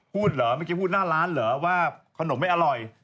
เหรอเมื่อกี้พูดหน้าร้านเหรอว่าขนมไม่อร่อย